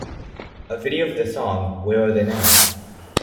A video for the song Where Are they Now?